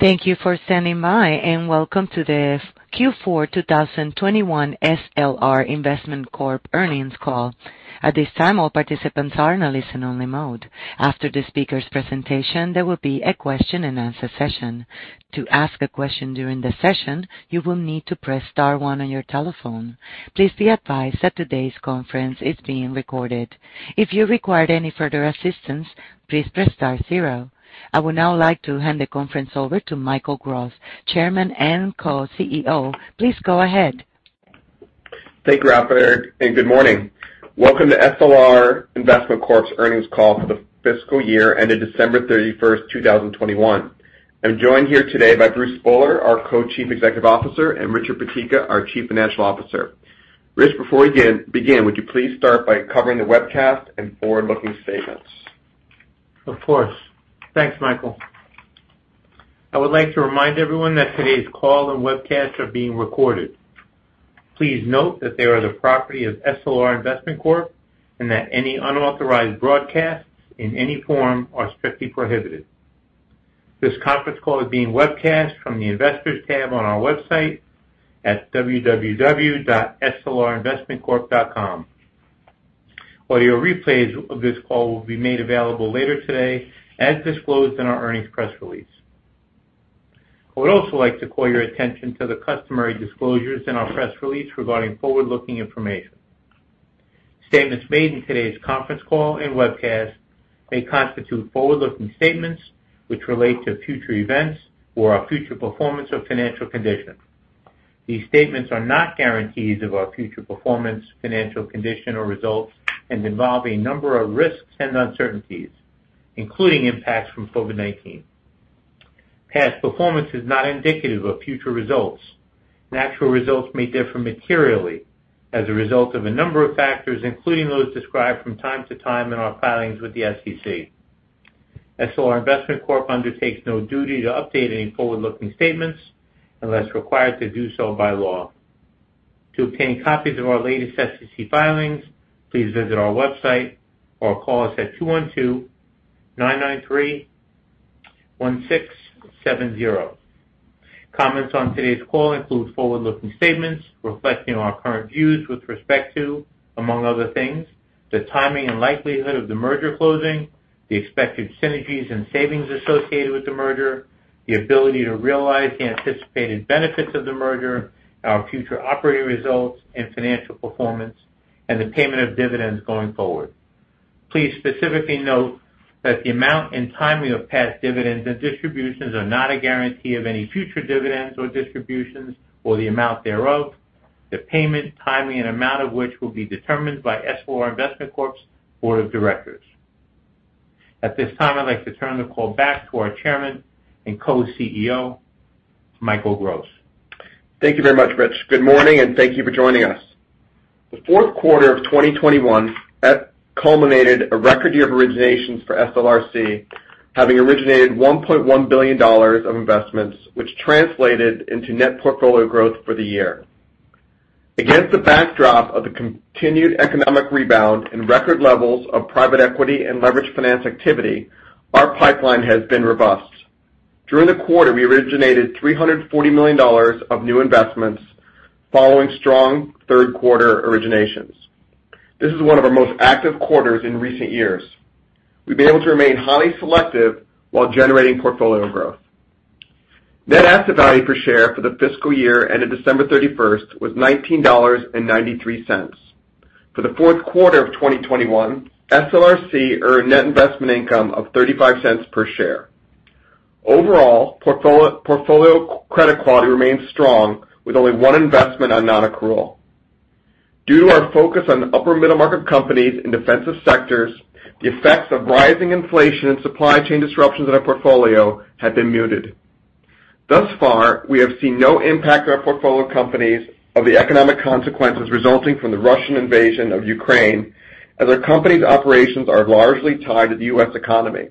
Thank you for standing by, and welcome to the Q4 2021 SLR Investment Corp Earnings Call. At this time, all participants are in a listen-only mode. After the speaker's presentation, there will be a question-and-answer session. To ask a question during the session, you will need to press star one on your telephone. Please be advised that today's conference is being recorded. If you require any further assistance, please press star zero. I would now like to hand the conference over to Michael Gross, Chairman and Co-CEO. Please go ahead. Thank you, operator, and good morning. Welcome to SLR Investment Corp's earnings call for the fiscal year ended December 31st, 2021. I'm joined here today by Bruce Spohler, our Co-Chief Executive Officer, and Richard Peteka, our Chief Financial Officer. Rich, before we begin, would you please start by covering the webcast and forward-looking statements? Of course. Thanks, Michael. I would like to remind everyone that today's call and webcast are being recorded. Please note that they are the property of SLR Investment Corp, and that any unauthorized broadcasts in any form are strictly prohibited. This conference call is being webcast from the Investors tab on our website at www.slrinvestmentcorp.com. While your replays of this call will be made available later today, as disclosed in our earnings press release. I would also like to call your attention to the customary disclosures in our press release regarding forward-looking information. Statements made in today's conference call and webcast may constitute forward-looking statements which relate to future events or our future performance or financial condition. These statements are not guarantees of our future performance, financial condition or results, and involve a number of risks and uncertainties, including impacts from COVID-19. Past performance is not indicative of future results. Actual results may differ materially as a result of a number of factors, including those described from time to time in our filings with the SEC. SLR Investment Corp undertakes no duty to update any forward-looking statements unless required to do so by law. To obtain copies of our latest SEC filings, please visit our website or call us at 212-993-1670. Comments on today's call include forward-looking statements reflecting our current views with respect to, among other things, the timing and likelihood of the merger closing, the expected synergies and savings associated with the merger, the ability to realize the anticipated benefits of the merger, our future operating results and financial performance, and the payment of dividends going forward. Please specifically note that the amount and timing of past dividends and distributions are not a guarantee of any future dividends or distributions or the amount thereof, the payment timing and amount of which will be determined by SLR Investment Corp's board of directors. At this time, I'd like to turn the call back to our Chairman and Co-CEO, Michael Gross. Thank you very much, Rich. Good morning and thank you for joining us. The fourth quarter of 2021 culminated a record year of originations for SLRC, having originated $1.1 billion of investments which translated into net portfolio growth for the year. Against the backdrop of the continued economic rebound and record levels of private equity and leveraged finance activity, our pipeline has been robust. During the quarter, we originated $340 million of new investments following strong third quarter originations. This is one of our most active quarters in recent years. We've been able to remain highly selective while generating portfolio growth. Net asset value per share for the fiscal year ended December 31st with $19.93. For the fourth quarter of 2021, SLRC earned net investment income of $0.35 per share. Overall, portfolio credit quality remains strong, with only one investment on non-accrual. Due to our focus on upper middle market companies in defensive sectors, the effects of rising inflation and supply chain disruptions in our portfolio have been muted. Thus far, we have seen no impact on our portfolio companies of the economic consequences resulting from the Russian invasion of Ukraine, as our company's operations are largely tied to the U.S. economy.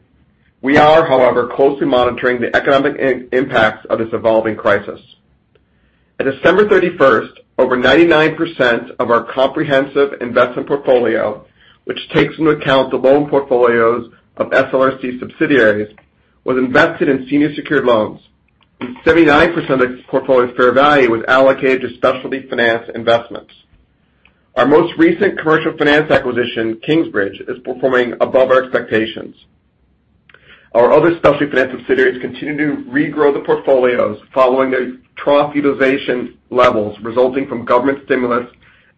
We are, however, closely monitoring the economic impacts of this evolving crisis. At December 31st, over 99% of our comprehensive investment portfolio, which takes into account the loan portfolios of SLRC subsidiaries, was invested in senior secured loans, and 79% of its portfolio's fair value was allocated to specialty finance investments. Our most recent commercial finance acquisition, Kingsbridge, is performing above our expectations. Our other specialty finance subsidiaries continue to regrow the portfolios following their trough utilization levels resulting from government stimulus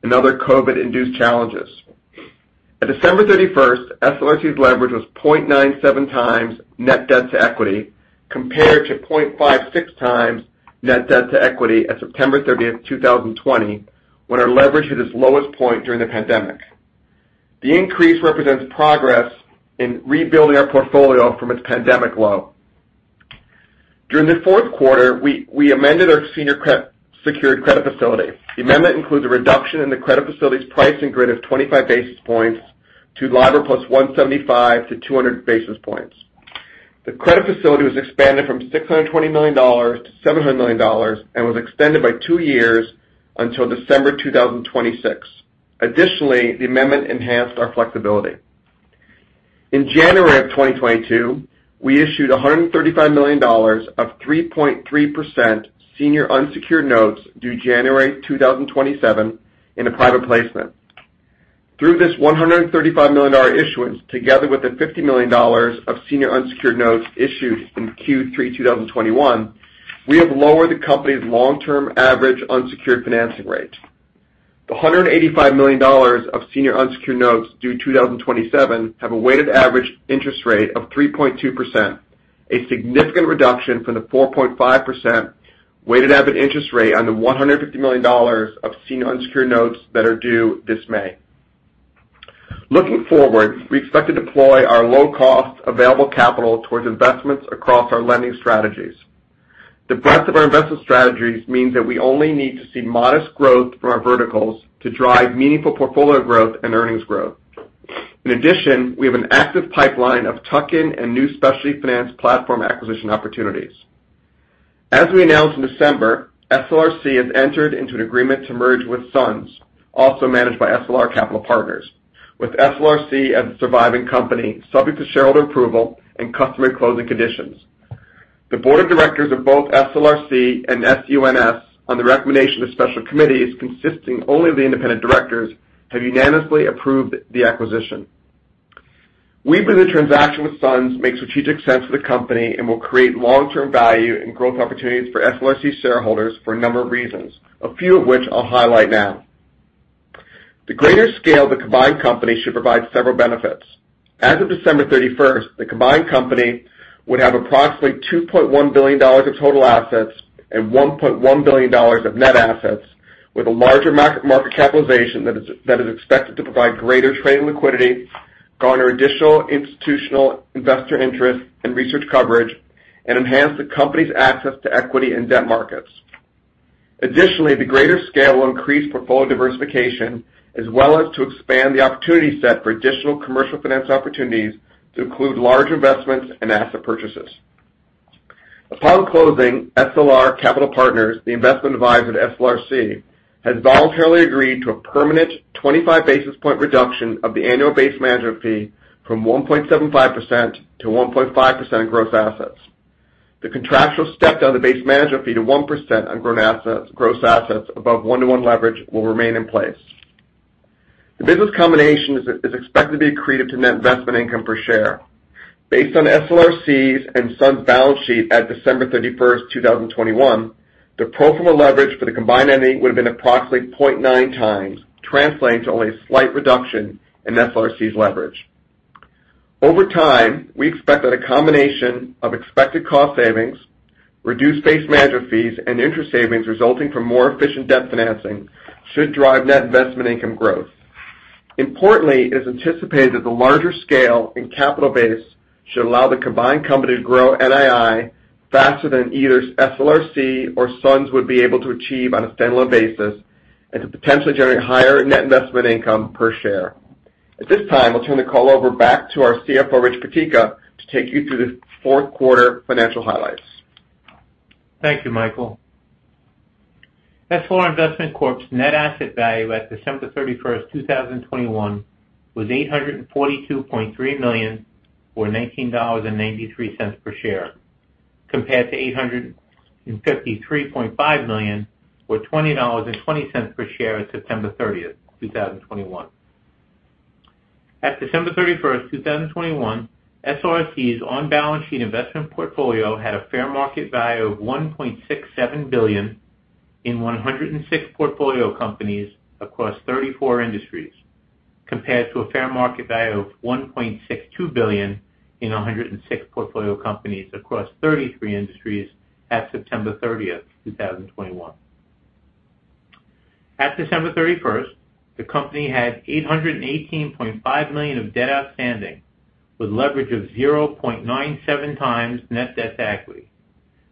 and other COVID-induced challenges. At December 31st, SLRC's leverage was 0.97x net debt to equity, compared to 0.56x net debt to equity at September 30th, 2020, when our leverage hit its lowest point during the pandemic. The increase represents progress in rebuilding our portfolio from its pandemic low. During the fourth quarter, we amended our senior secured credit facility. The amendment includes a reduction in the credit facility's pricing grid of 25 basis points to LIBOR plus 175 basis points-200 basis points. The credit facility was expanded from $620 million-$700 million and was extended by two years until December 2026. Additionally, the amendment enhanced our flexibility. In January of 2022, we issued $135 million of 3.3% senior unsecured notes due January 2027 in a private placement. Through this $135 million issuance, together with the $50 million of senior unsecured notes issued in Q3 2021, we have lowered the company's long-term average unsecured financing rate. The $185 million of senior unsecured notes due 2027 have a weighted average interest rate of 3.2%, a significant reduction from the 4.5% weighted average interest rate on the $150 million of senior unsecured notes that are due this May. Looking forward, we expect to deploy our low-cost available capital towards investments across our lending strategies. The breadth of our investment strategies means that we only need to see modest growth from our verticals to drive meaningful portfolio growth and earnings growth. In addition, we have an active pipeline of tuck-in and new specialty finance platform acquisition opportunities. As we announced in December, SLRC has entered into an agreement to merge with SUNS, also managed by SLR Capital Partners, with SLRC as a surviving company, subject to shareholder approval and customary closing conditions. The board of directors of both SLRC and SUNS, on the recommendation of special committees consisting only of the independent directors, have unanimously approved the acquisition. We believe the transaction with SUNS makes strategic sense for the company and will create long-term value and growth opportunities for SLRC shareholders for a number of reasons, a few of which I'll highlight now. The greater scale of the combined company should provide several benefits. As of December 31st, the combined company would have approximately $2.1 billion of total assets and $1.1 billion of net assets, with a larger market capitalization that is expected to provide greater trading liquidity, garner additional institutional investor interest and research coverage, and enhance the company's access to equity and debt markets. Additionally, the greater scale will increase portfolio diversification, as well as to expand the opportunity set for additional commercial finance opportunities to include large investments and asset purchases. Upon closing, SLR Capital Partners, the investment advisor to SLRC, has voluntarily agreed to a permanent 25 basis point reduction of the annual base management fee from 1.75%-1.5% gross assets. The contractual step-down base management fee to 1% on gross assets above 1:1 leverage will remain in place. The business combination is expected to be accretive to net investment income per share. Based on SLRC's and SUNS' balance sheet at December 31st, 2021, the pro forma leverage for the combined entity would have been approximately 0.9x, translating to only a slight reduction in SLRC's leverage. Over time, we expect that a combination of expected cost savings, reduced base management fees, and interest savings resulting from more efficient debt financing should drive net investment income growth. Importantly, it's anticipated that the larger scale and capital base should allow the combined company to grow NII faster than either SLRC or SUNS would be able to achieve on a standalone basis and to potentially generate higher net investment income per share. At this time, I'll turn the call over back to our CFO, Rich Peteka, to take you through the fourth quarter financial highlights. Thank you, Michael. SLR Investment Corp's net asset value at December 31st, 2021 was $842.3 million, or $19.93 per share, compared to $853.5 million, or $20.20 per share at September 30th, 2021. At December 31st, 2021, SLRC's on-balance sheet investment portfolio had a fair market value of $1.67 billion in 106 portfolio companies across 34 industries, compared to a fair market value of $1.62 billion in 106 portfolio companies across 33 industries at September 30th, 2021. At December 31st, 2021, the company had $818.5 million of debt outstanding, with leverage of 0.97x net debt to equity.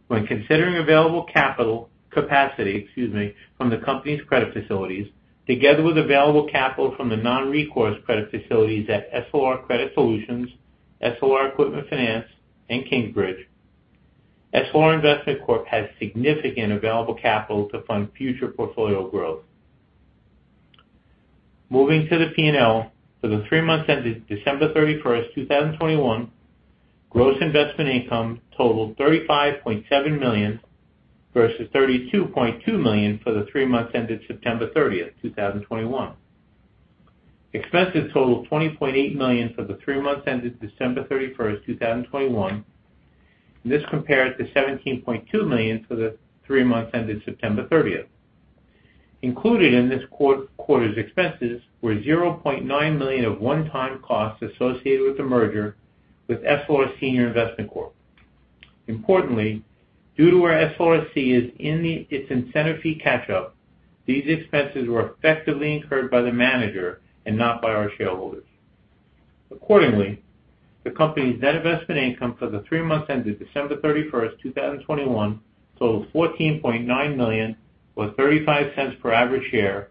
When considering available capital from the company's credit facilities, together with available capital from the non-recourse credit facilities at SLR Credit Solutions, SLR Equipment Finance, and Kingsbridge, SLR Investment Corp has significant available capital to fund future portfolio growth. Moving to the P&L, for the three months ended December 31st, 2021, gross investment income totaled $35.7 million, versus $32.2 million for the three months ended September 30th, 2021. Expenses totaled $20.8 million for the three months ended December 31st, 2021. This compared to $17.2 million for the three months ended September 30th. Included in this quarter's expenses were $0.9 million of one-time costs associated with the merger with SLR Senior Investment Corp. Importantly, due to where SLRC is in its incentive fee catch-up, these expenses were effectively incurred by the manager and not by our shareholders. Accordingly, the company's net investment income for the three months ended December 31st, 2021 totaled $14.9 million, or $0.35 per average share,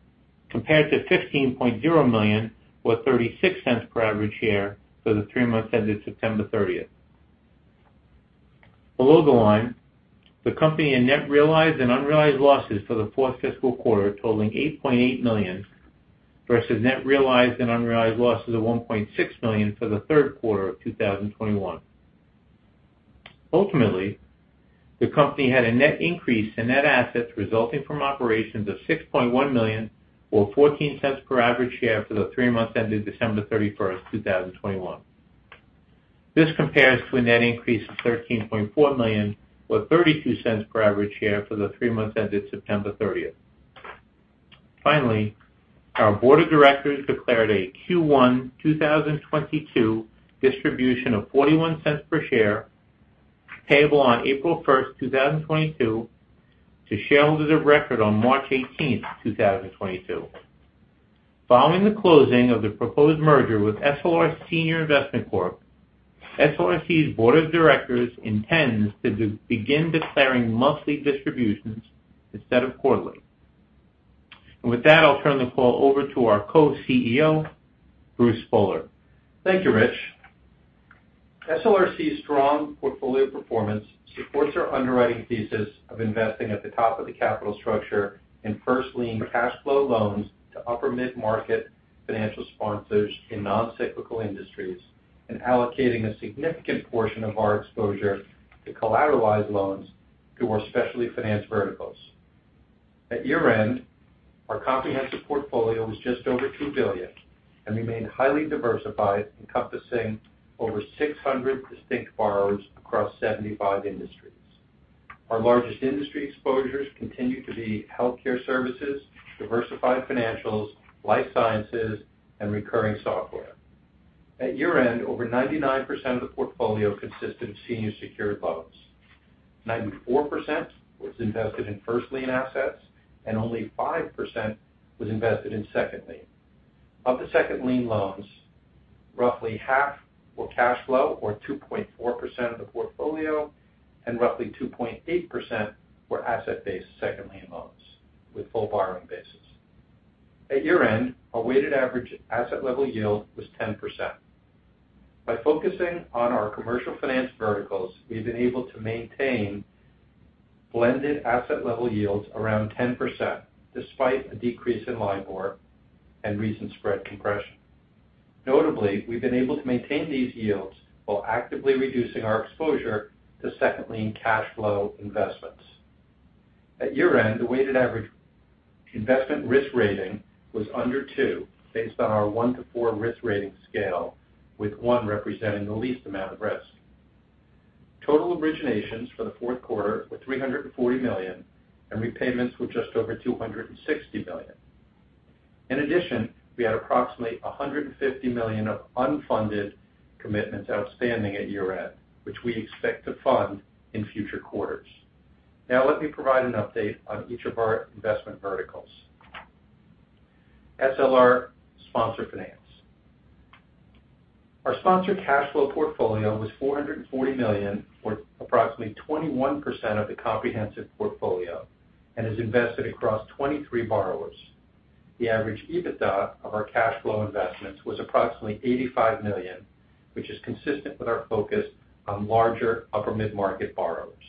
compared to $15.0 million, or $0.36 per average share, for the three months ended September 30th. Below the line, the company incurred net realized and unrealized losses for the fourth fiscal quarter totaling $8.8 million, versus net realized and unrealized losses of $1.6 million for the third quarter of 2021. Ultimately, the company had a net increase in net assets resulting from operations of $6.1 million, or $0.14 per average share for the three months ended December 31st, 2021. This compares to a net increase of $13.4 million, or $0.32 per average share for the three months ended September 30th. Finally, our board of directors declared a Q1 2022 distribution of $0.41 per share, payable on April 1st, 2022, to shareholders of record on March 18th, 2022. Following the closing of the proposed merger with SLR Senior Investment Corp, SLRC's board of directors intends to begin declaring monthly distributions instead of quarterly. With that, I'll turn the call over to our Co-CEO, Bruce Spohler. Thank you, Rich. SLRC's strong portfolio performance supports our underwriting thesis of investing at the top of the capital structure in first lien cash flow loans to upper mid-market financial sponsors in non-cyclical industries, and allocating a significant portion of our exposure to collateralized loans to our specialty finance verticals. At year-end, our comprehensive portfolio was just over $2 billion and remained highly diversified, encompassing over 600 distinct borrowers across 75 industries. Our largest industry exposures continue to be healthcare services, diversified financials, life sciences, and recurring software. At year-end, over 99% of the portfolio consisted of senior secured loans. 94% was invested in first lien assets, and only 5% was invested in second lien. Of the second lien loans, roughly half were cash flow or 2.4% of the portfolio, and roughly 2.8% were asset-based second lien loans with full borrowing base. At year-end, our weighted average asset level yield was 10%. By focusing on our commercial finance verticals, we've been able to maintain blended asset level yields around 10% despite a decrease in LIBOR and recent spread compression. Notably, we've been able to maintain these yields while actively reducing our exposure to second lien cash flow investments. At year-end, the weighted average investment risk rating was under two, based on our one to four risk rating scale, with one representing the least amount of risk. Total originations for the fourth quarter were $340 million, and repayments were just over $260 million. In addition, we had approximately $150 million of unfunded commitments outstanding at year-end, which we expect to fund in future quarters. Now, let me provide an update on each of our investment verticals. SLR Sponsor Finance. Our sponsor cash flow portfolio was $440 million, or approximately 21% of the comprehensive portfolio, and is invested across 23 borrowers. The average EBITDA of our cash flow investments was approximately $85 million, which is consistent with our focus on larger upper mid-market borrowers.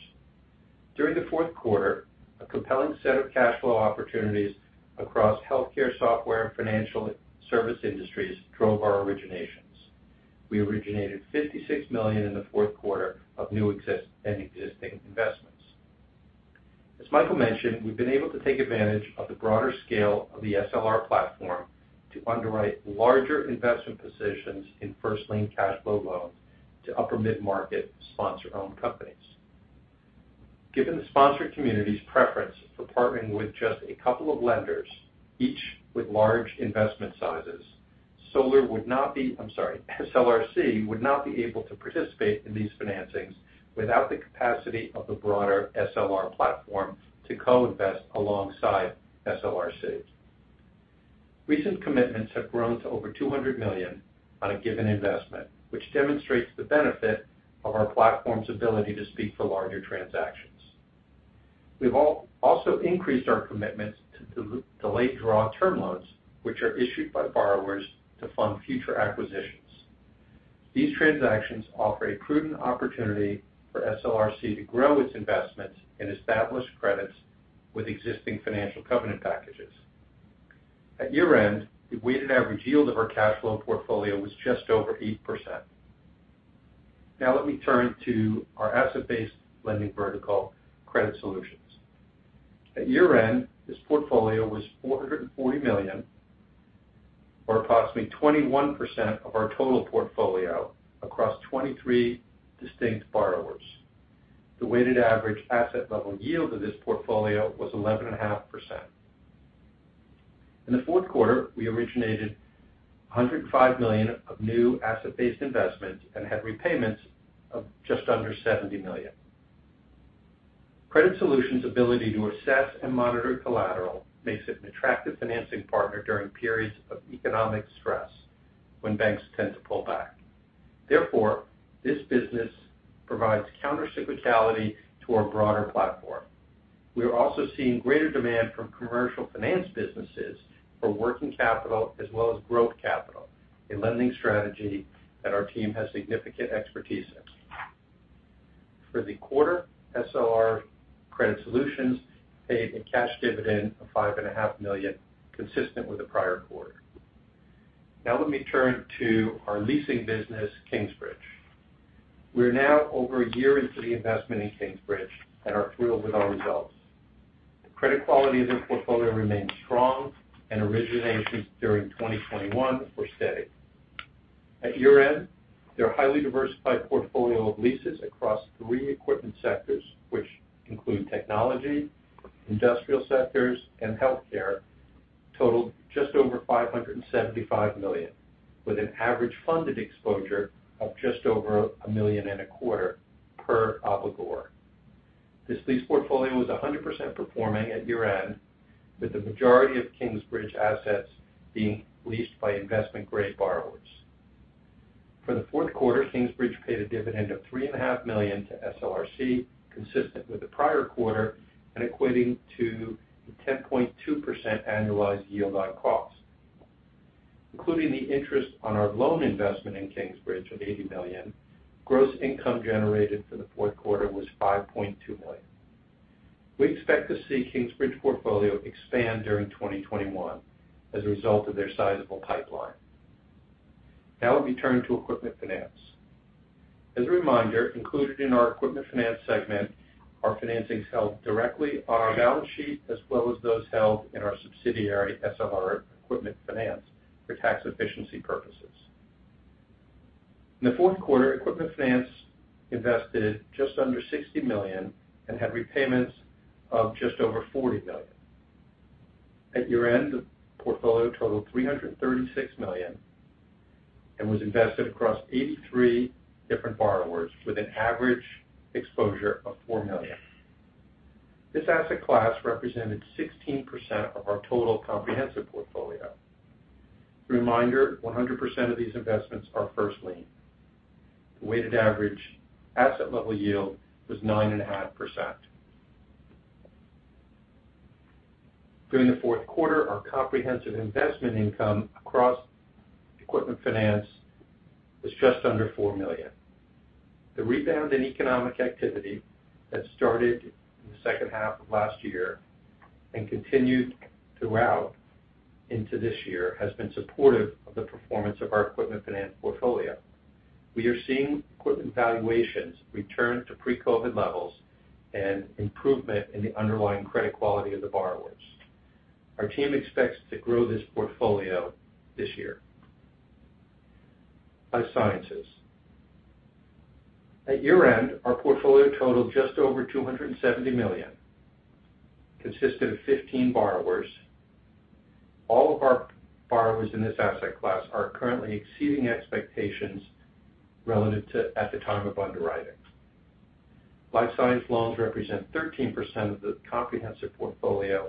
During the fourth quarter, a compelling set of cash flow opportunities across healthcare software and financial services industries drove our originations. We originated $56 million in the fourth quarter of new and existing investments. As Michael mentioned, we've been able to take advantage of the broader scale of the SLR platform to underwrite larger investment positions in first lien cash flow loans to upper mid-market sponsor-owned companies. Given the sponsor community's preference for partnering with just a couple of lenders, each with large investment sizes, SLRC would not be able to participate in these financings without the capacity of the broader SLR platform to co-invest alongside SLRC. Recent commitments have grown to over $200 million on a given investment, which demonstrates the benefit of our platform's ability to speak for larger transactions. We've also increased our commitments to delayed draw term loans which are issued by borrowers to fund future acquisitions. These transactions offer a prudent opportunity for SLRC to grow its investments and establish credits with existing financial covenant packages. At year-end, the weighted average yield of our cash flow portfolio was just over 8%. Now let me turn to our asset-based lending vertical, Credit Solutions. At year-end, this portfolio was $440 million, or approximately 21% of our total portfolio across 23 distinct borrowers. The weighted average asset level yield of this portfolio was 11.5%. In the fourth quarter, we originated $105 million of new asset-based investments and had repayments of just under $70 million. Credit Solutions' ability to assess and monitor collateral makes it an attractive financing partner during periods of economic stress when banks tend to pull back. Therefore, this business provides counter-cyclicality to our broader platform. We are also seeing greater demand from commercial finance businesses for working capital as well as growth capital, a lending strategy that our team has significant expertise in. For the quarter, SLR Credit Solutions paid a cash dividend of $5.5 million, consistent with the prior quarter. Now let me turn to our leasing business, Kingsbridge. We are now over a year into the investment in Kingsbridge and are thrilled with our results. The credit quality of their portfolio remains strong, and originations during 2021 were steady. At year-end, their highly diversified portfolio of leases across three equipment sectors, which include technology, industrial sectors, and healthcare, totaled just over $575 million, with an average funded exposure of just over $1.25 million per obligor. This lease portfolio was 100% performing at year-end, with the majority of Kingsbridge assets being leased by investment-grade borrowers. For the fourth quarter, Kingsbridge paid a dividend of $3.5 million to SLRC, consistent with the prior quarter and equating to the 10.2% annualized yield on cost. Including the interest on our loan investment in Kingsbridge of $80 million, gross income generated for the fourth quarter was $5.2 million. We expect to see Kingsbridge portfolio expand during 2021 as a result of their sizable pipeline. Now let me turn to Equipment Finance. As a reminder, included in our Equipment Finance segment are financings held directly on our balance sheet, as well as those held in our subsidiary, SLR Equipment Finance, for tax efficiency purposes. In the fourth quarter, Equipment Finance invested just under $60 million and had repayments of just over $40 million. At year-end, the portfolio totaled $336 million and was invested across 83 different borrowers with an average exposure of $4 million. This asset class represented 16% of our total comprehensive portfolio. A reminder, 100% of these investments are first lien. The weighted average asset level yield was 9.5%. During the fourth quarter, our comprehensive investment income across Equipment Finance was just under $4 million. The rebound in economic activity that started in the second half of last year and continued throughout into this year has been supportive of the performance of our Equipment Finance portfolio. We are seeing equipment valuations return to pre-COVID levels and improvement in the underlying credit quality of the borrowers. Our team expects to grow this portfolio this year. Life Sciences. At year-end, our portfolio totaled just over $270 million, consisting of 15 borrowers. All of our borrowers in this asset class are currently exceeding expectations relative to at the time of underwriting. Life science loans represent 13% of the comprehensive portfolio,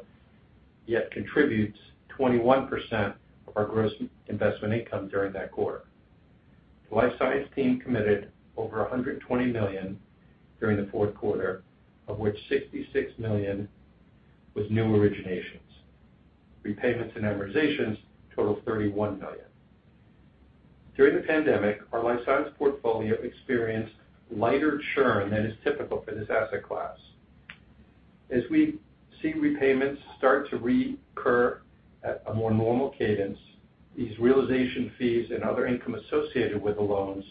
yet contributes 21% of our gross investment income during that quarter. The life science team committed over $120 million during the fourth quarter, of which $66 million was new originations. Repayments and amortizations totaled $31 million. During the pandemic, our life science portfolio experienced lighter churn than is typical for this asset class. As we see repayments start to recur at a more normal cadence, these realization fees and other income associated with the loans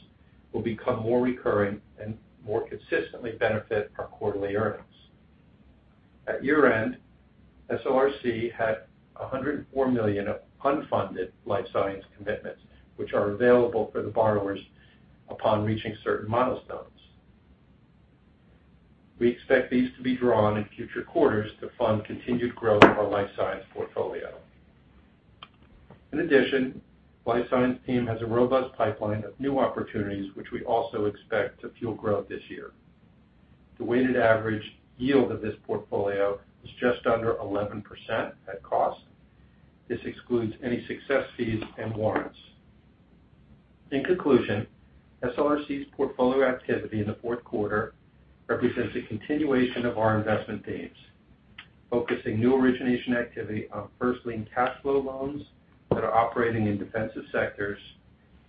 will become more recurring and more consistently benefit our quarterly earnings. At year-end, SLRC had $104 million of unfunded life science commitments, which are available for the borrowers upon reaching certain milestones. We expect these to be drawn in future quarters to fund continued growth of our life science portfolio. In addition, life science team has a robust pipeline of new opportunities, which we also expect to fuel growth this year. The weighted average yield of this portfolio is just under 11% at cost. This excludes any success fees and warrants. In conclusion, SLRC's portfolio activity in the fourth quarter represents a continuation of our investment themes, focusing new origination activity on first lien cash flow loans that are operating in defensive sectors,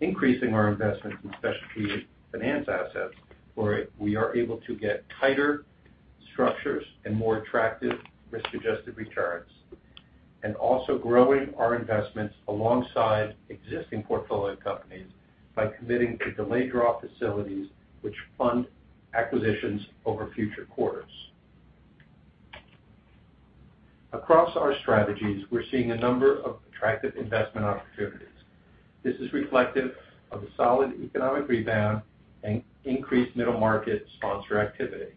increasing our investment in specialty finance assets where we are able to get tighter structures and more attractive risk-adjusted returns, and also growing our investments alongside existing portfolio companies by committing to delayed draw facilities which fund acquisitions over future quarters. Across our strategies, we're seeing a number of attractive investment opportunities. This is reflective of the solid economic rebound and increased middle market sponsor activity.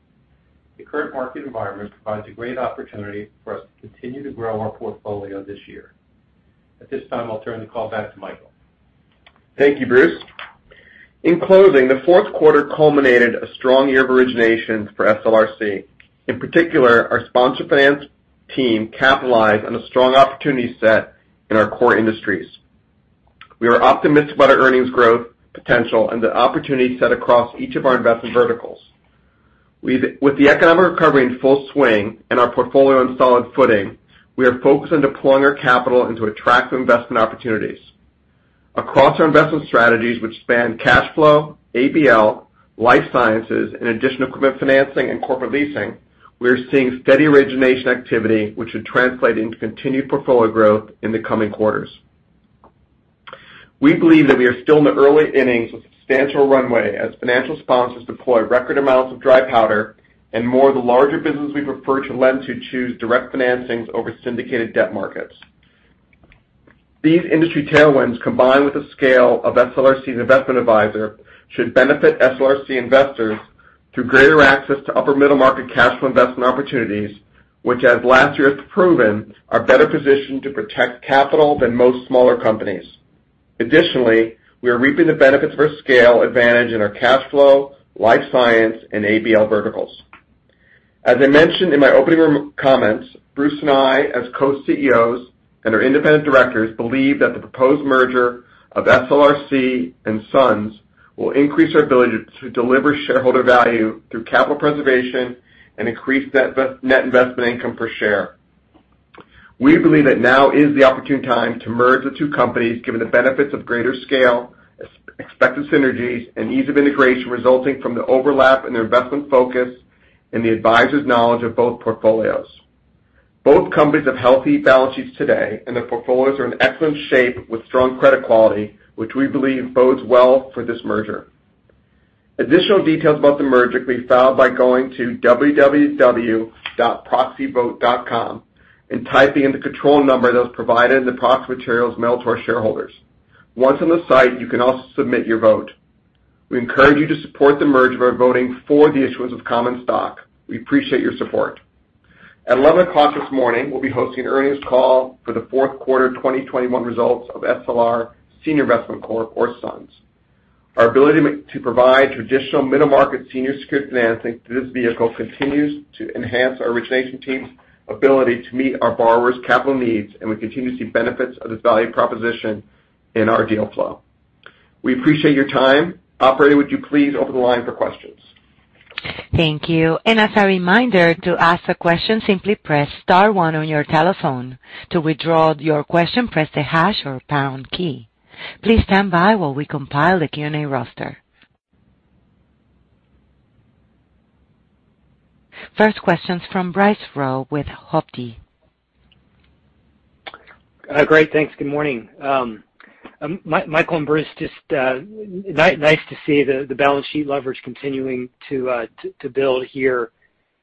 The current market environment provides a great opportunity for us to continue to grow our portfolio this year. At this time, I'll turn the call back to Michael. Thank you, Bruce. In closing, the fourth quarter culminated in a strong year of originations for SLRC. In particular, our Sponsor Finance team capitalized on a strong opportunity set in our core industries. We are optimistic about our earnings growth potential and the opportunity set across each of our investment verticals. With the economic recovery in full swing and our portfolio on solid footing, we are focused on deploying our capital into attractive investment opportunities. Across our investment strategies, which span cash flow, ABL, life sciences, and additional equipment financing and corporate leasing, we are seeing steady origination activity, which should translate into continued portfolio growth in the coming quarters. We believe that we are still in the early innings with substantial runway as financial sponsors deploy record amounts of dry powder and more of the larger businesses we prefer to lend to choose direct financings over syndicated debt markets. These industry tailwinds, combined with the scale of SLRC's investment advisor, should benefit SLRC investors through greater access to upper middle-market cash flow investment opportunities, which, as last year has proven, are better positioned to protect capital than most smaller companies. Additionally, we are reaping the benefits of our scale advantage in our cash flow, life science, and ABL verticals. As I mentioned in my opening remarks, Bruce and I, as co-CEOs, and our independent directors believe that the proposed merger of SLRC and SUNS will increase our ability to deliver shareholder value through capital preservation and increase net investment income per share. We believe that now is the opportune time to merge the two companies, given the benefits of greater scale, expected synergies, and ease of integration resulting from the overlap in their investment focus and the advisors' knowledge of both portfolios. Both companies have healthy balance sheets today, and their portfolios are in excellent shape with strong credit quality, which we believe bodes well for this merger. Additional details about the merger can be found by going to www.proxyvote.com and typing in the control number that was provided in the proxy materials mailed to our shareholders. Once on the site, you can also submit your vote. We encourage you to support the merger by voting for the issuance of common stock. We appreciate your support. At 11:00 A.M. this morning, we'll be hosting an earnings call for the fourth quarter 2021 results of SLR Senior Investment Corp or SUNS. Our ability to provide traditional middle market senior secured financing through this vehicle continues to enhance our origination team's ability to meet our borrowers' capital needs, and we continue to see benefits of this value proposition in our deal flow. We appreciate your time. Operator, would you please open the line for questions? Thank you, and as a reminder to ask a question, simply press star one on your telephone. To withdraw your question, press the hash or pound key. Please stand by while we compile the Q&A roster. First question's from Bryce Rowe with Hovde. Great. Thanks. Good morning. Michael and Bruce, just nice to see the balance sheet leverage continuing to build here.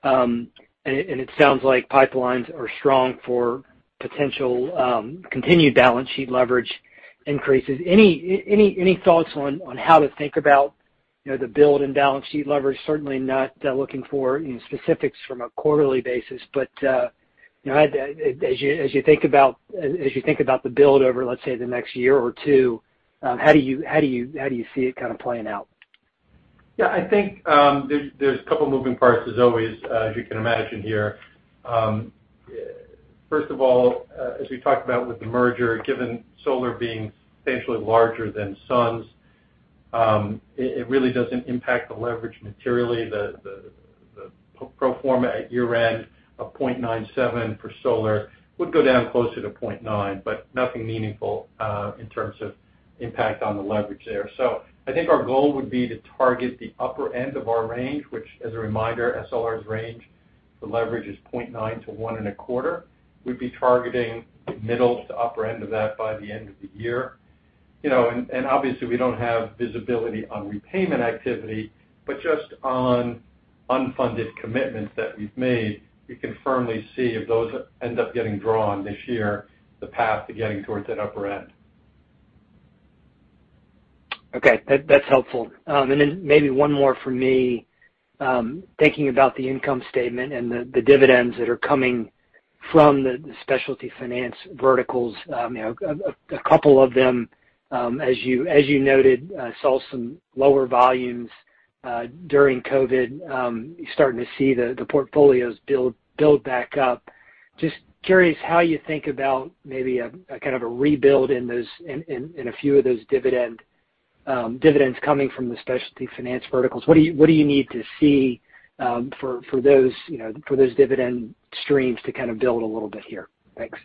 It sounds like pipelines are strong for potential continued balance sheet leverage increases. Any thoughts on how to think about, you know, the build in balance sheet leverage? Certainly not looking for any specifics from a quarterly basis. You know, as you think about the build over, let's say, the next year or two, how do you see it kind of playing out? Yeah, I think there's a couple moving parts, as always, as you can imagine here. First of all, as we talked about with the merger, given Solar being substantially larger than SUNS, it really doesn't impact the leverage materially. The pro forma at year-end of 0.97 for SLR would go down closer to 0.9, but nothing meaningful in terms of impact on the leverage there. I think our goal would be to target the upper end of our range, which, as a reminder, SLR's range for leverage is 0.9-1.25. We'd be targeting the middle to upper end of that by the end of the year. You know, obviously, we don't have visibility on repayment activity, but just on unfunded commitments that we've made, we can firmly see if those end up getting drawn this year, the path to getting towards that upper end. Okay. That's helpful. Then maybe one more from me. Thinking about the income statement and the dividends that are coming from the specialty finance verticals, you know, a couple of them, as you noted, saw some lower volumes during COVID. You're starting to see the portfolios build back up. Just curious how you think about maybe a kind of a rebuild in those, in a few of those dividends coming from the specialty finance verticals. What do you need to see for those, you know, for those dividend streams to kind of build a little bit here? Thanks.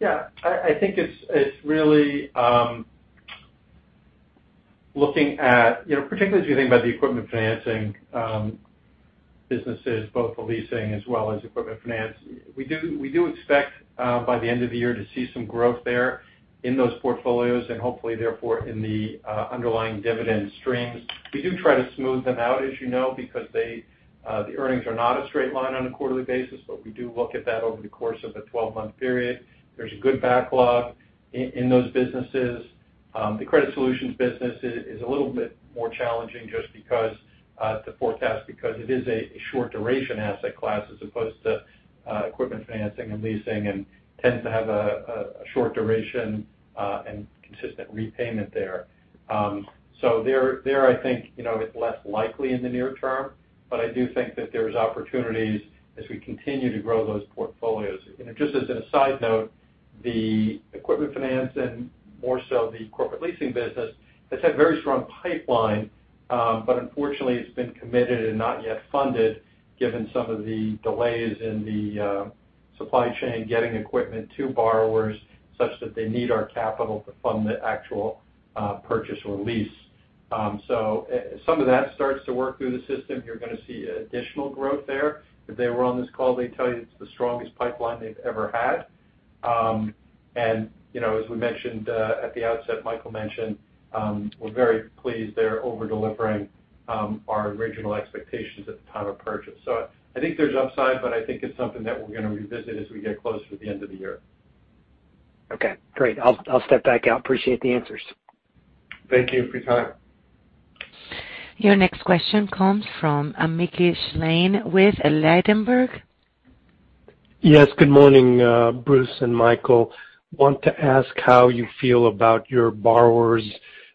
Yeah. I think it's really looking at, you know, particularly as you think about the equipment financing businesses, both the leasing as well as equipment finance, we do expect by the end of the year to see some growth there in those portfolios and hopefully therefore in the underlying dividend streams. We do try to smooth them out, as you know, because the earnings are not a straight line on a quarterly basis, but we do look at that over the course of a 12-month period. There's a good backlog in those businesses. The credit solutions business is a little bit more challenging just because to forecast because it is a short duration asset class as opposed to equipment financing and leasing and tends to have a short duration and consistent repayment there. There, I think, you know, it's less likely in the near term, but I do think that there's opportunities as we continue to grow those portfolios. You know, just as a side note, the equipment finance and more so the corporate leasing business has had very strong pipeline, but unfortunately, it's been committed and not yet funded given some of the delays in the supply chain getting equipment to borrowers such that they need our capital to fund the actual purchase or lease. Some of that starts to work through the system. You're gonna see additional growth there. If they were on this call, they'd tell you it's the strongest pipeline they've ever had. You know, as we mentioned at the outset, Michael mentioned, we're very pleased they're over-delivering our original expectations at the time of purchase. I think there's upside, but I think it's something that we're gonna revisit as we get closer to the end of the year. Okay, great. I'll step back out. Appreciate the answers. Thank you for your time. Your next question comes from Mickey Schleien with Ladenburg. Yes, good morning, Bruce and Michael. I want to ask how you feel about your borrowers'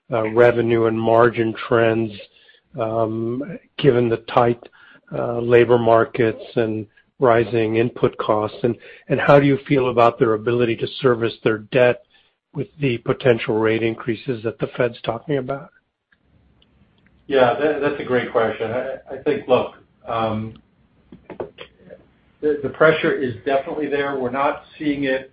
revenue and margin trends, given the tight labor markets and rising input costs. How do you feel about their ability to service their debt with the potential rate increases that the Fed's talking about? Yeah, that's a great question. I think the pressure is definitely there. We're not seeing it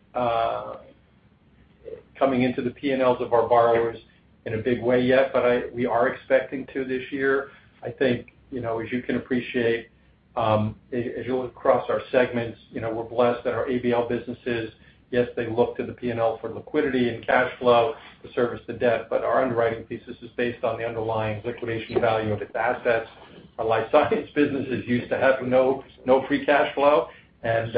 coming into the P&Ls of our borrowers in a big way yet, but we are expecting to this year. I think, you know, as you can appreciate, as you look across our segments, you know, we're blessed that our ABL businesses, yes, they look to the P&L for liquidity and cash flow to service the debt, but our underwriting thesis is based on the underlying liquidation value of its assets. Our life science businesses used to have no free cash flow and,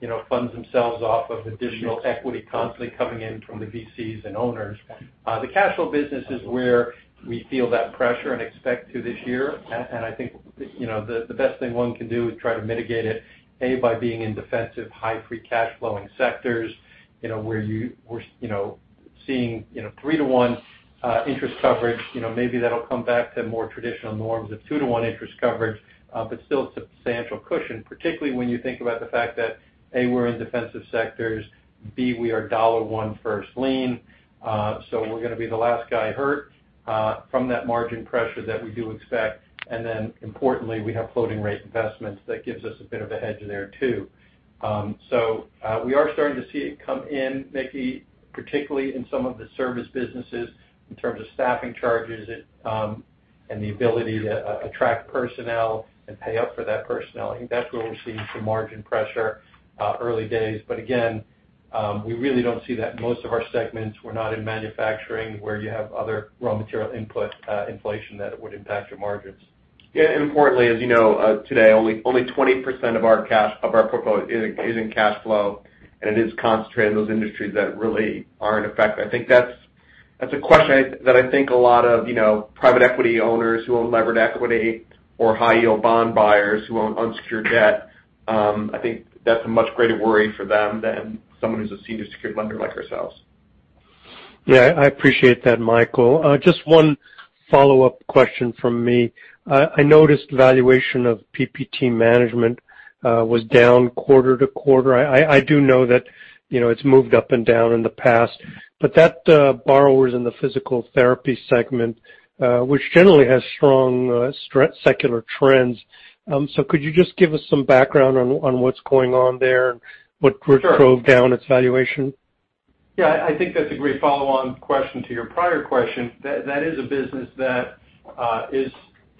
you know, funds themselves off of additional equity constantly coming in from the VCs and owners. The cash flow business is where we feel that pressure and expect to this year. I think, you know, the best thing one can do is try to mitigate it by being in defensive high free cash flowing sectors, you know, where we're seeing three-to-one interest coverage. You know, maybe that'll come back to more traditional norms of two-to-one interest coverage, but still substantial cushion, particularly when you think about the fact that, A, we're in defensive sectors, B, we are dollar one first lien, so we're gonna be the last guy hurt from that margin pressure that we do expect. Importantly, we have floating rate investments. That gives us a bit of a hedge there too. We are starting to see it come in, Mickey, particularly in some of the service businesses in terms of staffing charges, and the ability to attract personnel and pay up for that personnel. I think that's where we're seeing some margin pressure early days. Again, we really don't see that in most of our segments. We're not in manufacturing where you have other raw material input, inflation that would impact your margins. Yeah, importantly, as you know, today only 20% of our portfolio is in cash flow, and it is concentrated in those industries that really are affected. I think that's a question that I think a lot of, you know, private equity owners who own levered equity or high yield bond buyers who own unsecured debt. I think that's a much greater worry for them than someone who's a senior secured lender like ourselves. Yeah, I appreciate that, Michael. Just one follow-up question from me. I noticed valuation of PPT Management was down quarter to quarter. I do know that, you know, it's moved up and down in the past, but that borrower's in the physical therapy segment, which generally has strong secular trends. So could you just give us some background on what's going on there and what- Sure. drove down its valuation? Yeah. I think that's a great follow-on question to your prior question. That is a business that,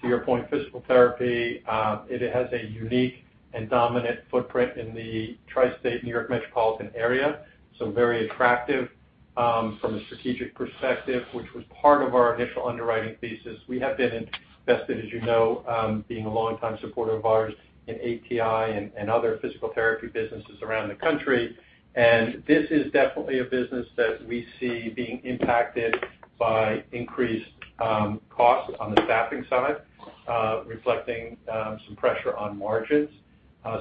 to your point, physical therapy. It has a unique and dominant footprint in the tri-state New York metropolitan area, so very attractive from a strategic perspective, which was part of our initial underwriting thesis. We have been invested, as you know, being a longtime supporter of ours in ATI and other physical therapy businesses around the country. This is definitely a business that we see being impacted by increased costs on the staffing side, reflecting some pressure on margins.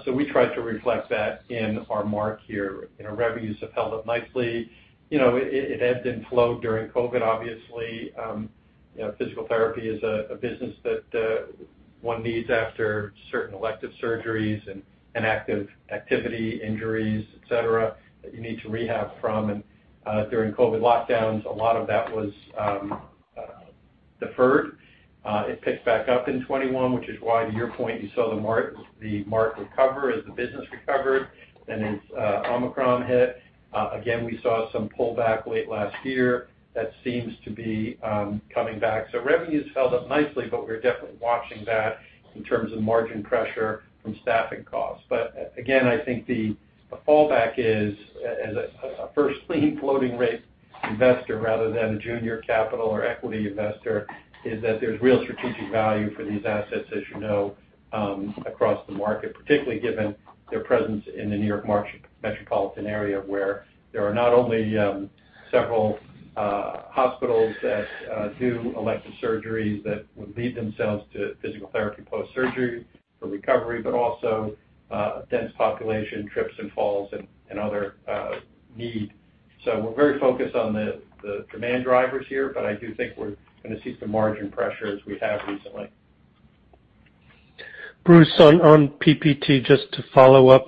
So we try to reflect that in our mark here. You know, revenues have held up nicely. You know, it ebbed and flowed during COVID, obviously. You know, physical therapy is a business that one needs after certain elective surgeries and activity injuries, et cetera, that you need to rehab from. During COVID lockdowns, a lot of that was deferred. It picked back up in 2021, which is why to your point, you saw the mark recover as the business recovered. As Omicron hit, again, we saw some pullback late last year. That seems to be coming back. Revenue's held up nicely, but we're definitely watching that in terms of margin pressure from staffing costs. Again, I think the fallback is, as a first lien floating rate investor rather than a junior capital or equity investor, is that there's real strategic value for these assets, as you know, across the market, particularly given their presence in the New York metropolitan area, where there are not only several hospitals that do elective surgeries that would lend themselves to physical therapy post-surgery for recovery, but also dense population trips and falls and other need. So we're very focused on the demand drivers here, but I do think we're gonna see some margin pressure as we have recently. Bruce, on PPT, just to follow up.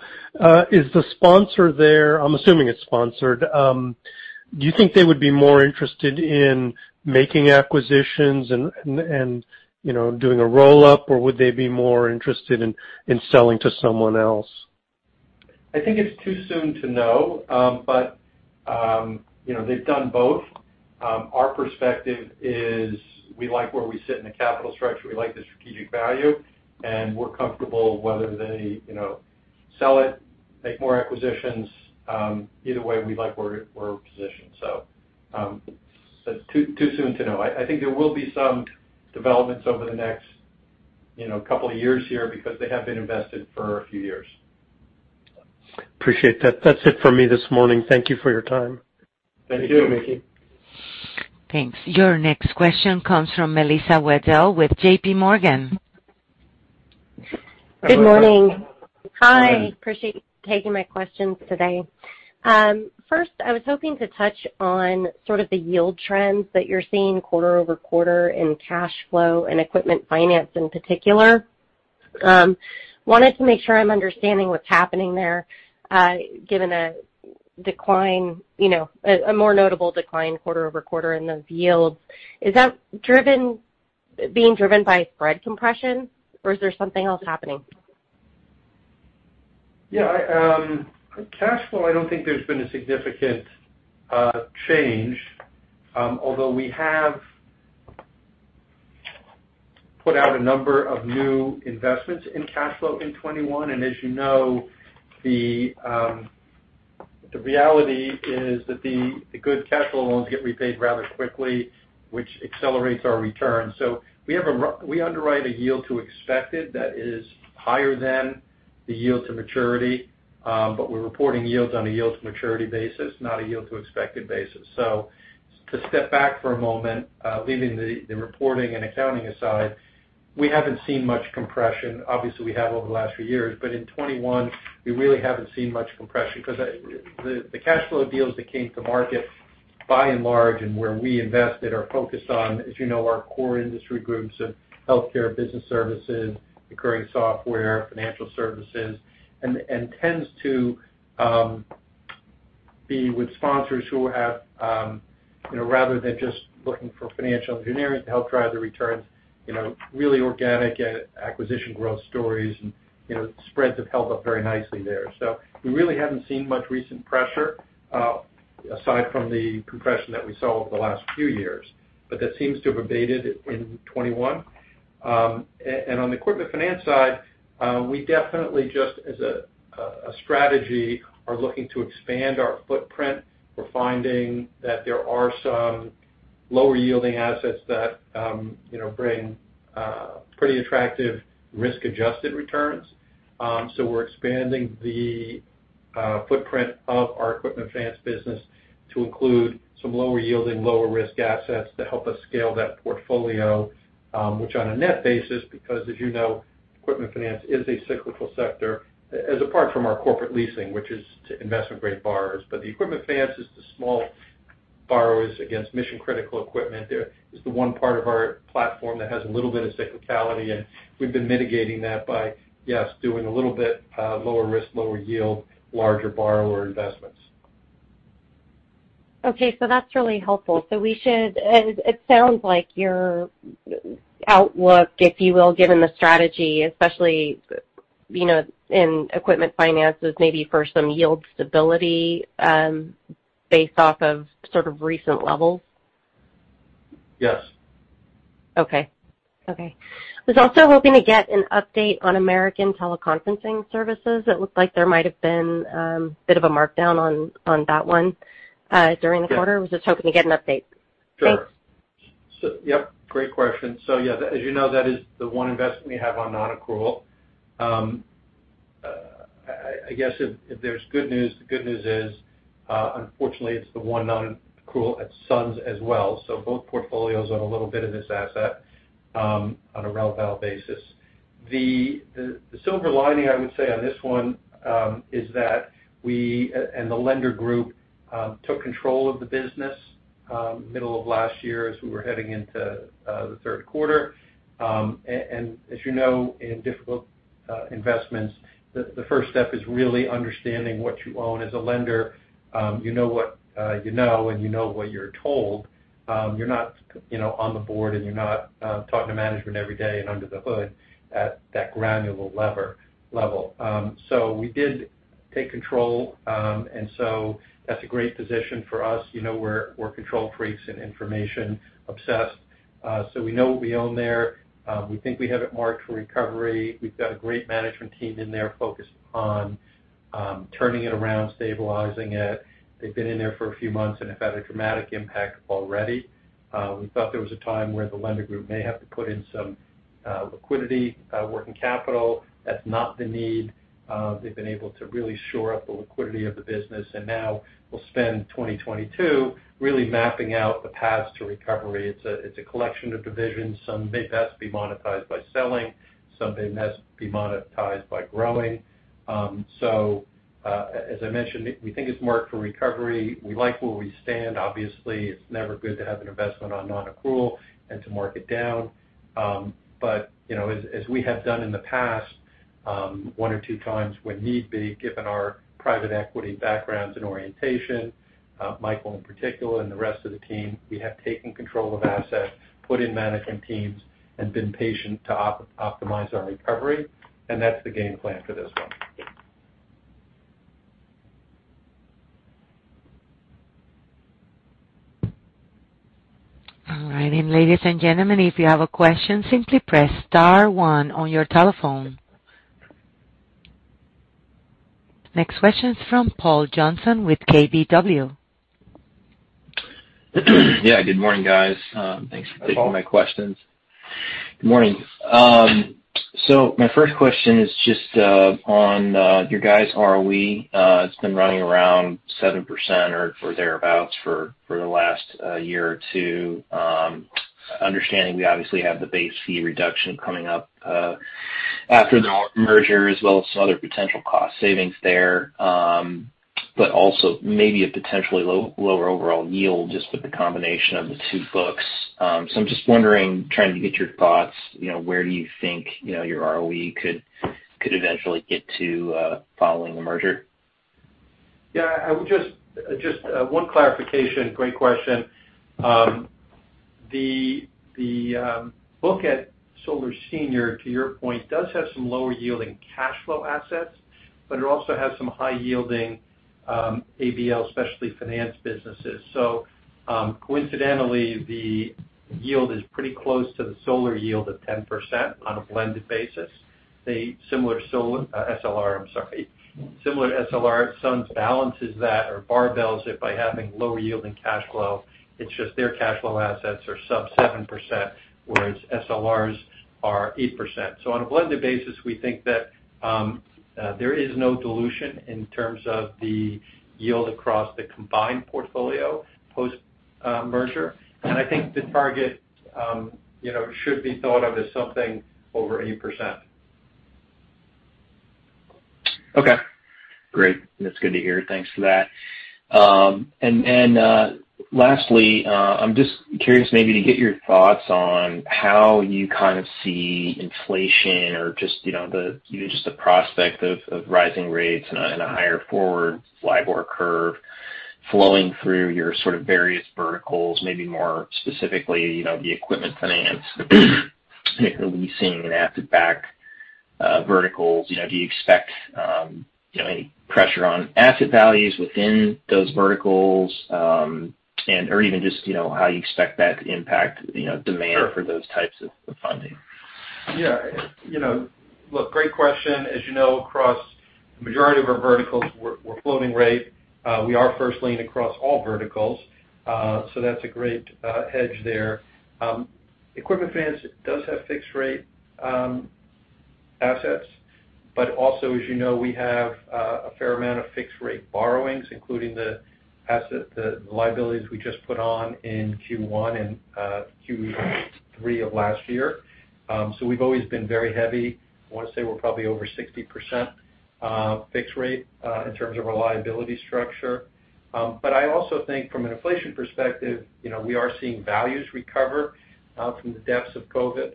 Is the sponsor there? I'm assuming it's sponsored. Do you think they would be more interested in making acquisitions and, you know, doing a roll-up, or would they be more interested in selling to someone else? I think it's too soon to know. You know, they've done both. Our perspective is we like where we sit in the capital structure, we like the strategic value, and we're comfortable whether they, you know, sell it, make more acquisitions, either way, we like where we're positioned. Too soon to know. I think there will be some developments over the next, you know, couple of years here because they have been invested for a few years. appreciate that. That's it for me this morning. Thank you for your time. Thank you, Mickey. Thanks. Your next question comes from Melissa Wedel with JPMorgan. Good morning. Good morning. Hi, I appreciate you taking my questions today. First, I was hoping to touch on sort of the yield trends that you're seeing quarter-over-quarter in cash flow and equipment finance in particular. Wanted to make sure I'm understanding what's happening there, given a decline, you know, a more notable decline quarter-over-quarter in those yields. Is that being driven by spread compression, or is there something else happening? Yeah. Cash flow, I don't think there's been a significant change, although we have put out a number of new investments in cash flow in 2021. As you know, the reality is that the good cash flow loans get repaid rather quickly, which accelerates our returns. We underwrite a yield to expected that is higher than the yield to maturity, but we're reporting yields on a yield to maturity basis, not a yield to expected basis. To step back for a moment, leaving the reporting and accounting aside, we haven't seen much compression. Obviously, we have over the last few years, but in 2021, we really haven't seen much compression because the cash flow deals that came to market by and large and where we invested are focused on, as you know, our core industry groups of healthcare, business services, recurring software, financial services, and tends to be with sponsors who have, you know, rather than just looking for financial engineering to help drive the returns, you know, really organic acquisition growth stories and, you know, spreads have held up very nicely there. We really haven't seen much recent pressure aside from the compression that we saw over the last few years. That seems to have abated in 2021. On the equipment finance side, we definitely just as a strategy are looking to expand our footprint. We're finding that there are some lower yielding assets that, you know, bring pretty attractive risk-adjusted returns. We're expanding the footprint of our equipment finance business to include some lower yielding, lower risk assets to help us scale that portfolio, which on a net basis, because as you know, equipment finance is a cyclical sector apart from our corporate leasing, which is to investment grade borrowers. The equipment finance is to small borrowers against mission-critical equipment. There is the one part of our platform that has a little bit of cyclicality, and we've been mitigating that by, yes, doing a little bit, lower risk, lower yield, larger borrower investments. Okay, that's really helpful. It sounds like your outlook, if you will, given the strategy, especially, you know, in equipment finances, maybe for some yield stability, based off of sort of recent levels. Yes. Okay. Was also hoping to get an update on American Teleconferencing Services. It looked like there might have been a bit of a markdown on that one during the quarter. Yeah. was just hoping to get an update. Sure. Thanks. Yep, great question. Yeah, as you know, that is the one investment we have on non-accrual. I guess if there's good news, the good news is, unfortunately, it's the one non-accrual at SUNS as well. Both portfolios have a little bit of this asset on a rel-val basis. The silver lining I would say on this one is that we and the lender group took control of the business middle of last year as we were heading into the third quarter. And as you know, in difficult investments, the first step is really understanding what you own. As a lender, you know what you know, and you know what you're told. You're not, you know, on the board, and you're not talking to management every day and under the hood at that granular level. We did take control. That's a great position for us. You know, we're control freaks and information obsessed. We know what we own there. We think we have it marked for recovery. We've got a great management team in there focused on turning it around, stabilizing it. They've been in there for a few months and have had a dramatic impact already. We thought there was a time where the lender group may have to put in some liquidity working capital. That's not the need. They've been able to really shore up the liquidity of the business, and now we'll spend 2022 really mapping out the paths to recovery. It's a collection of divisions. Some may best be monetized by selling, some may best be monetized by growing. As I mentioned, we think it's marked for recovery. We like where we stand. Obviously, it's never good to have an investment on non-accrual and to mark it down. You know, as we have done in the past, one or two times when need be, given our private equity backgrounds and orientation, Michael in particular and the rest of the team, we have taken control of assets, put in management teams, and been patient to optimize our recovery, and that's the game plan for this one. All right. Ladies and gentlemen, if you have a question, simply press star one on your telephone. Next question is from Paul Johnson with KBW. Yeah. Good morning, guys. Thanks for taking my questions. Good morning. My first question is just on your guys' ROE. It's been running around 7% or thereabouts for the last year or two. I understand we obviously have the base fee reduction coming up after the merger, as well as some other potential cost savings there, but also maybe a potentially lower overall yield just with the combination of the two books. I'm just wondering, trying to get your thoughts, you know, where do you think, you know, your ROE could eventually get to following the merger? Yeah, I would just one clarification. Great question. The book at Solar Senior, to your point, does have some lower yielding cash flow assets, but it also has some high yielding, ABL, specialty finance businesses. Coincidentally, the yield is pretty close to the Solar yield of 10% on a blended basis. Similar SLR, I'm sorry. Similar SLR, SUNS balances that or barbells it by having lower yielding cash flow. It's just their cash flow assets are sub 7%, whereas SLR's are 8%. On a blended basis, we think that there is no dilution in terms of the yield across the combined portfolio post merger. I think the target, you know, should be thought of as something over 8%. Okay. Great. That's good to hear. Thanks for that. Lastly, I'm just curious maybe to get your thoughts on how you kind of see inflation or just the prospect of rising rates and a higher forward LIBOR curve flowing through your sort of various verticals, maybe more specifically, you know, the equipment finance and leasing and asset-backed verticals. You know, do you expect you know any pressure on asset values within those verticals, or even just you know how you expect that to impact you know demand for those types of funding? Yeah. You know, look, great question. As you know, across the majority of our verticals, we're floating rate. We are first lien across all verticals, so that's a great hedge there. Equipment finance does have fixed rate assets, but also, as you know, we have a fair amount of fixed rate borrowings, including the ABL, the liabilities we just put on in Q1 and Q3 of last year. So we've always been very heavy. I wanna say we're probably over 60% fixed rate in terms of our liability structure. I also think from an inflation perspective, you know, we are seeing values recover from the depths of COVID,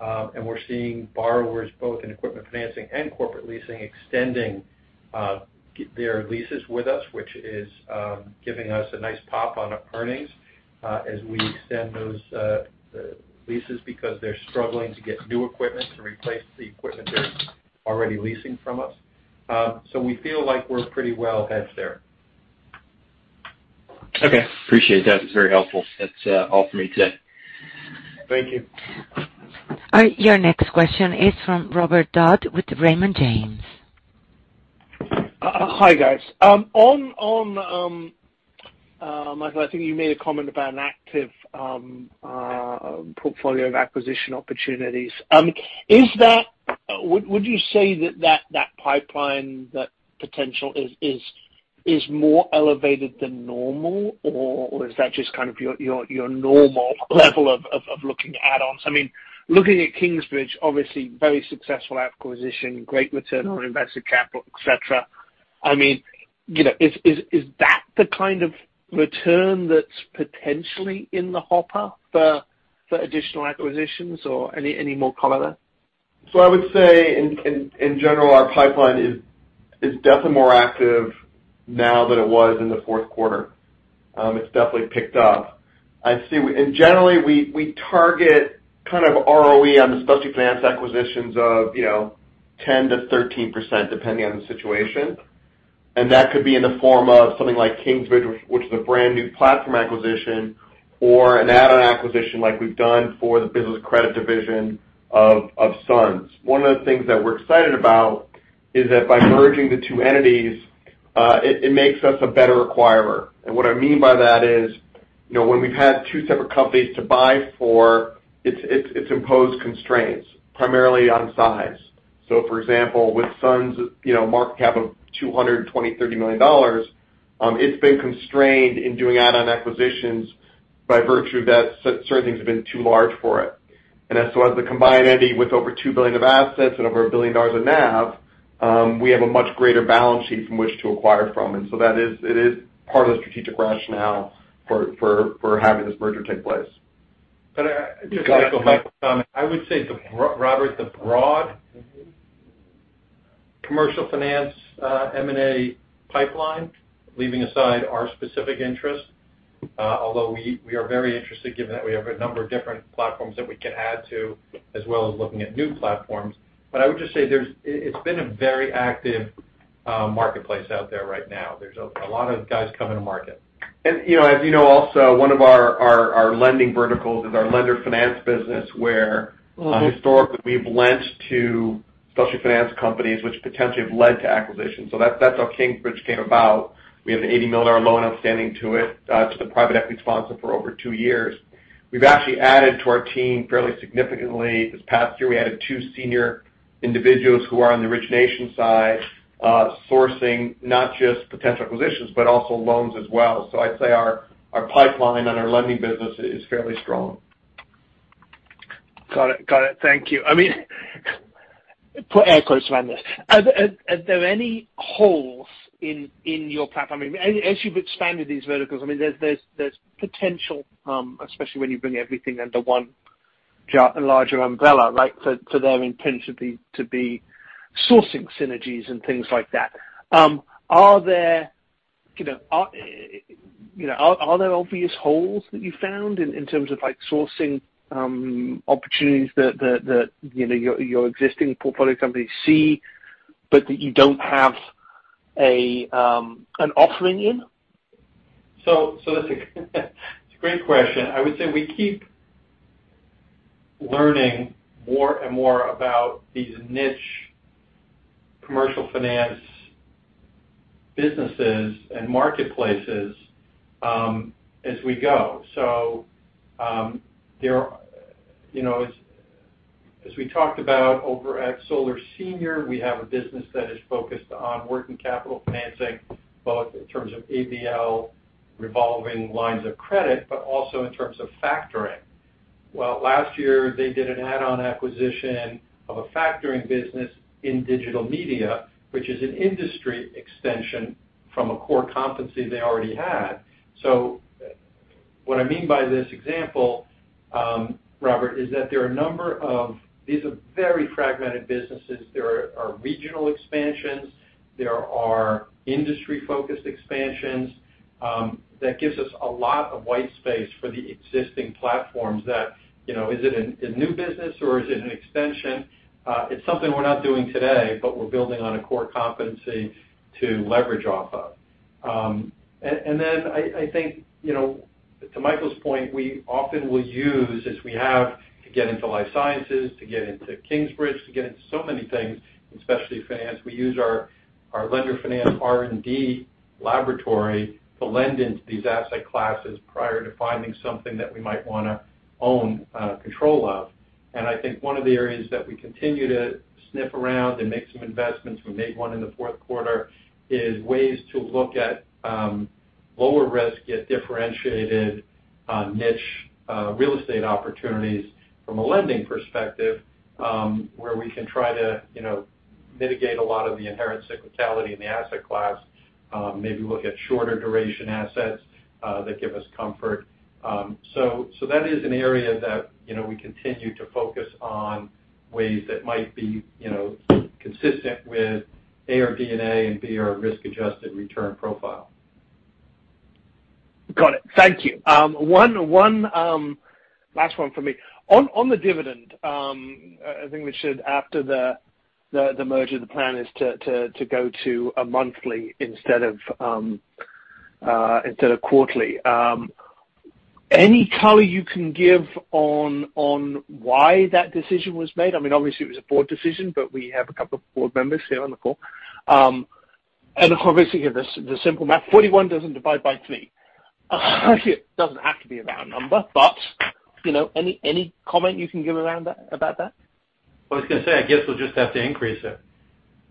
and we're seeing borrowers both in equipment financing and corporate leasing extending their leases with us, which is giving us a nice pop on our earnings as we extend those leases because they're struggling to get new equipment to replace the equipment they're already leasing from us. We feel like we're pretty well hedged there. Okay. Appreciate that. It's very helpful. That's all for me today. Thank you. Your next question is from Robert Dodd with Raymond James. Hi, guys. On Michael, I think you made a comment about an active portfolio of acquisition opportunities. Would you say that pipeline, that potential is more elevated than normal, or is that just kind of your normal level of looking at add-ons? I mean, looking at Kingsbridge, obviously very successful acquisition, great return on invested capital, et cetera. I mean, you know, is that the kind of return that's potentially in the hopper for additional acquisitions or any more color there? I would say in general, our pipeline is definitely more active now than it was in the fourth quarter. It's definitely picked up. I'd say generally, we target kind of ROE on the specialty finance acquisitions of, you know, 10%-13%, depending on the situation. That could be in the form of something like Kingsbridge, which is a brand new platform acquisition or an add-on acquisition like we've done for the business credit division of SUNS. One of the things that we're excited about is that by merging the two entities, it makes us a better acquirer. What I mean by that is, you know, when we've had two separate companies to buy for, it's imposed constraints, primarily on size. For example, with SUNS, market cap of $230 million, it's been constrained in doing add-on acquisitions by virtue that certain things have been too large for it. As the combined entity with over $2 billion of assets and over $1 billion of NAV, we have a much greater balance sheet from which to acquire from. That is part of the strategic rationale for having this merger take place. I would say Robert, the broad commercial finance M&A pipeline, leaving aside our specific interest, although we are very interested given that we have a number of different platforms that we can add to, as well as looking at new platforms. I would just say it's been a very active marketplace out there right now. There's a lot of guys coming to market. You know, as you know, also one of our lending verticals is our lender finance business, where historically we've lent to specialty finance companies, which potentially have led to acquisitions. That's how Kingsbridge came about. We have a $80 million loan outstanding to it, to the private equity sponsor for over two years. We've actually added to our team fairly significantly this past year. We added two senior individuals who are on the origination side, sourcing not just potential acquisitions but also loans as well. I'd say our pipeline on our lending business is fairly strong. Got it. Thank you. I mean, put air quotes around this. Are there any holes in your platform? I mean, as you've expanded these verticals, I mean, there's potential, especially when you bring everything under one roof, larger umbrella, right? So there are intended to be sourcing synergies and things like that. Are there, you know, obvious holes that you found in terms of like sourcing opportunities that, you know, your existing portfolio companies see, but that you don't have an offering in? That's a great question. I would say we keep learning more and more about these niche commercial finance businesses and marketplaces, as we go. You know, as we talked about over at Solar Senior, we have a business that is focused on working capital financing, both in terms of ABL revolving lines of credit, but also in terms of factoring. Well, last year, they did an add-on acquisition of a factoring business in digital media, which is an industry extension from a core competency they already had. What I mean by this example, Robert, is that there are a number of these. These are very fragmented businesses. There are regional expansions, there are industry-focused expansions, that gives us a lot of white space for the existing platforms that, you know, is it a new business or is it an extension? It's something we're not doing today, but we're building on a core competency to leverage off of. I think, you know, to Michael's point, we often will use as we have to get into life sciences, to get into Kingsbridge, to get into so many things in specialty finance. We use our lender finance R&D laboratory to lend into these asset classes prior to finding something that we might wanna own control of. I think one of the areas that we continue to sniff around and make some investments, we made one in the fourth quarter, is ways to look at lower risk, yet differentiated, niche real estate opportunities from a lending perspective, where we can try to, you know, mitigate a lot of the inherent cyclicality in the asset class, maybe look at shorter duration assets that give us comfort. So that is an area that, you know, we continue to focus on ways that might be, you know, consistent with A, our D&A and B, our risk-adjusted return profile. Got it. Thank you. One last one for me. On the dividend, I think we should after the merger, the plan is to go to a monthly instead of quarterly. Any color you can give on why that decision was made? I mean, obviously it was a board decision, but we have a couple of board members here on the call. Obviously here, the simple math, 41 doesn't divide by three. It doesn't have to be about a number, but you know, any comment you can give around that, about that? Well, I was gonna say, I guess we'll just have to increase it.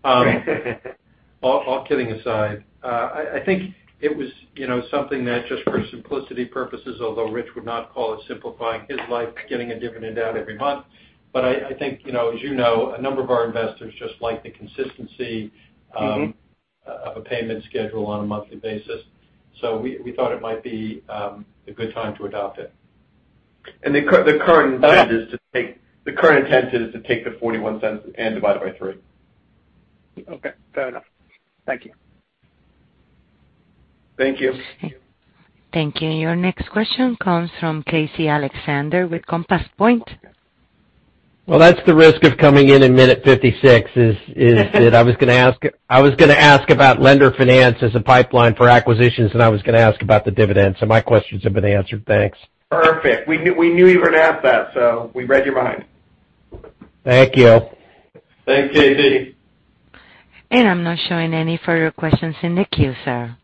All kidding aside, I think it was, you know, something that just for simplicity purposes, although Rich would not call it simplifying his life, getting a dividend out every month. I think, you know, as you know, a number of our investors just like the consistency- Mm-hmm. of a payment schedule on a monthly basis. We thought it might be a good time to adopt it. The current intent is to take the $0.41 and divide it by three. Okay. Fair enough. Thank you. Thank you. Thank you. Your next question comes from Casey Alexander with Compass Point. Well, that's the risk of coming in at minute 56, is that I was gonna ask about lender finance as a pipeline for acquisitions, and I was gonna ask about the dividend. My questions have been answered. Thanks. Perfect. We knew you were gonna ask that, so we read your mind. Thank you. Thanks, Casey. I'm not showing any further questions in the queue, sir.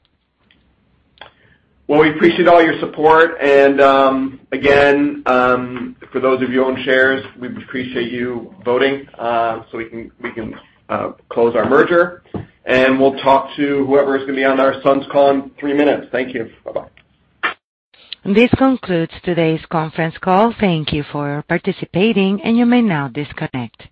Well, we appreciate all your support and, again, for those of you who own shares, we'd appreciate you voting, so we can close our merger, and we'll talk to whoever is gonna be on our SUNS call in three minutes. Thank you. Bye-bye. This concludes today's conference call. Thank you for participating, and you may now disconnect.